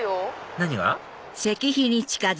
何が？